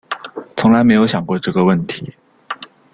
从来没有想过这个问题